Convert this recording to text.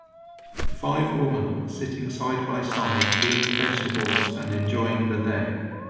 Five woman sitting side by side peeling vegetables and enjoying the day.